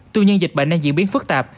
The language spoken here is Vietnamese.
tuy nhiên dịch bệnh đang diễn biến phức tạp